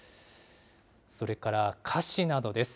それから菓子などです。